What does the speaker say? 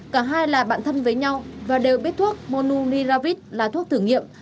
cả hai là bạn thân với nhau và đều biết thuốc monuniravit là thuốc thử nghiệm